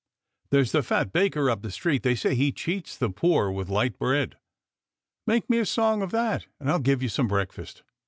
There's the fat baker up the street they say he cheats the poor with light bread. Make me a song of that, and I'll give you some breakfast.